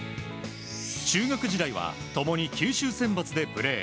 中学時代は共に九州選抜でプレー。